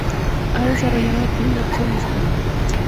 Ha desarrollado actividad solista.